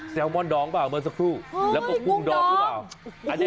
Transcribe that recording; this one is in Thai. ลมอนดองเปล่าเมื่อสักครู่แล้วก็กุ้งดองหรือเปล่า